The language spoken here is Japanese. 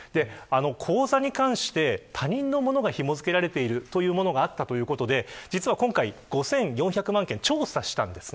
口座に関して他人のものがひも付けられているというものがあったということで実は今回、５４００万件調査したんです。